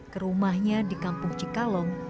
ke rumahnya di kampung cikalong